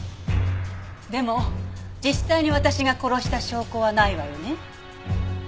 でも実際に私が殺した証拠はないわよね。